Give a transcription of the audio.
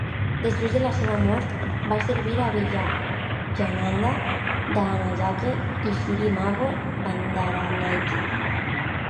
Després de la seva mort, va servir a Vijayananda Dahanayake i Sirimavo Bandaranaike.